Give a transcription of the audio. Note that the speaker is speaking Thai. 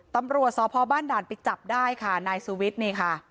ตำรวจสพบ้านด่านไปจับได้ค่ะนายสุวิทย์นี่ค่ะ